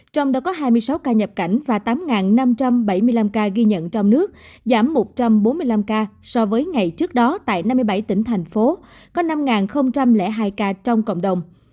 trong đó có hai mươi sáu ca nhập cảnh và tám năm trăm bảy mươi năm ca ghi nhận trong nước giảm một trăm bốn mươi năm ca so với ngày trước đó tại năm mươi bảy tỉnh thành phố có năm hai ca trong cộng đồng